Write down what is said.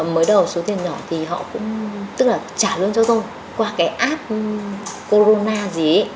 mới đầu số tiền nhỏ thì họ cũng tức là trả luôn cho tôi qua cái app corona gì ấy